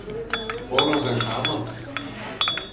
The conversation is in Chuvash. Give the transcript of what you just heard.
Пӑрӑхӗ камӑн?